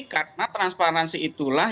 karena transparansi itulah